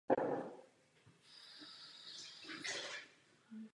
Zástupci tohoto řádu se vyvinuli ve střední křídě.